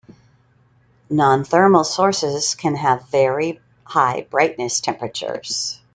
Nonthermal sources can have very high brightness temperatures.